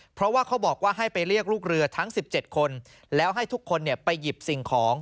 เพราะว่าเขาบอกว่าให้ไปเรียกลูกเรือทั้ง๑๗คนแล้วให้ทุกคนไปหยิบสิ่งของ